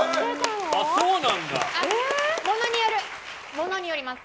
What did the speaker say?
○！ものによります。